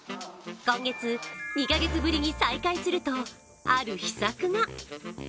今月、２カ月ぶりに再会するとある秘策が。